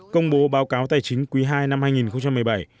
công bố báo cáo tài chính quý ii năm hai nghìn một mươi bảy